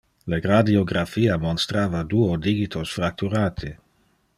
Le radiographia monstrava duo digitos fracturate.